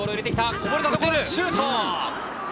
こぼれたところシュート！